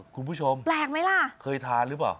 คุณผู้ชมแปลกไหมล่ะเคยทานหรือเปล่า